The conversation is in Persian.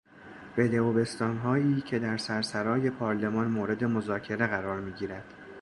بده و بستانهایی که در سرسرای پارلمان مورد مذاکره قرار میگیرد